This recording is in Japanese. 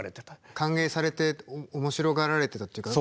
歓迎されて面白がられてたっていうか。